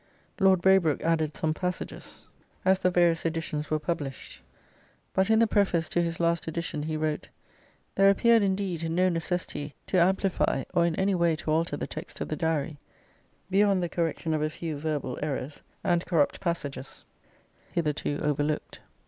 Lord Braybrooke added some passages as the various editions were published, but in the preface to his last edition he wrote: "there appeared indeed no necessity to amplify or in any way to alter the text of the Diary beyond the correction of a few verbal errors and corrupt passages hitherto overlooked."